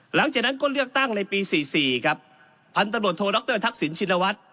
หลังจากนั้นก็เลือกตั้งในปี๔๔ครับพันตำรวจโทรดรทักษิณชินวัฒน์